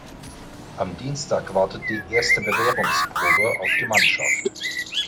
Am Dienstag wartet die erste Bewährungsprobe auf die Mannschaft.